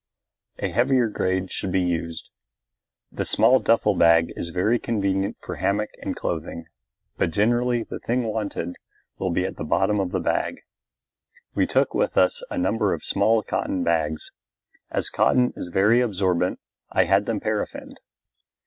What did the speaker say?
A heavier grade should be used. The small duffel bag is very convenient for hammock and clothing, but generally the thing wanted will be at the bottom of the bag! We took with us a number of small cotton bags. As cotton is very absorbent, I had them paraffined.